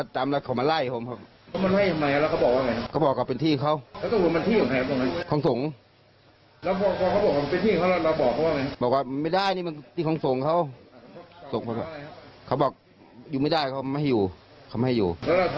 ที่ทางส่งเขาบอกอยู่ไม่ได้เขาไม่ให้อยู่